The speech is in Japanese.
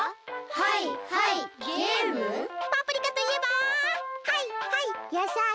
パプリカといえばはいはいやさい！